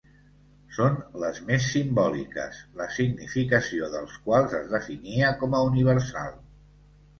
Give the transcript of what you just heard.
Són les més simbòliques, la significació dels quals es definia com a universal.